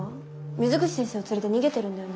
水口先生を連れて逃げてるんだよね？